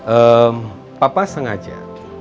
eh papa sengaja